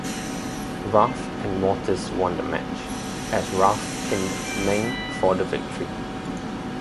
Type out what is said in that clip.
Wrath and Mortis won the match, as Wrath pinned Meng for the victory.